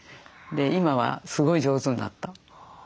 今はすごい上手になった。